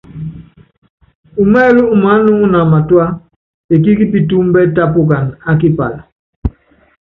Umɛlí umaánuŋuna matúá, ekííkí pitúúmbɛ tápukana á kipala.